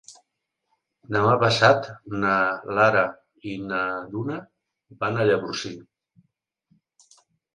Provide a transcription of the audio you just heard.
Demà passat na Lara i na Duna van a Llavorsí.